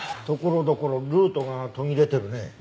ところどころルートが途切れてるね。